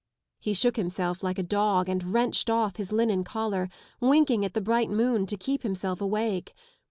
He shook himself like a dog and wrenched off his linen collar, winking at the bright moon to keep himself awake.